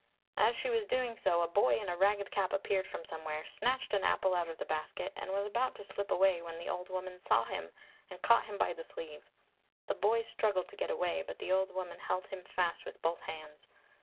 As she was doing so a boy in a ragged cap appeared from somewhere, snatched an apple out of the basket and was about to slip away when the old woman saw him and caught him by the sleeve. The boy struggled to get away, but the old woman held him fast with both hands.